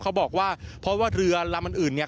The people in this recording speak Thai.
เขาบอกว่าเพราะว่าเรือลำอื่นเนี่ย